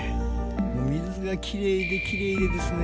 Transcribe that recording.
水が奇麗で奇麗でですね